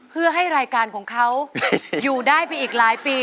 เพื่อให้รายการของเขาอยู่ได้ไปอีกหลายปี